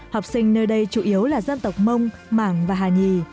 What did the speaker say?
học sinh nơi đây chủ yếu là dân tộc mông mảng và hà nhì